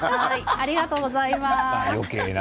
ありがとうございます。